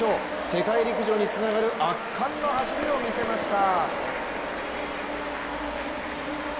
世界陸上につながる圧巻の走りを見せました。